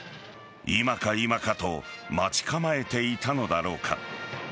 今か今かと待ち構えていたのだろうか。